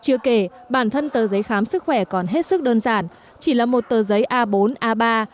chưa kể bản thân tờ giấy khám sức khỏe còn hết sức đơn giản chỉ là một tờ giấy a bốn a ba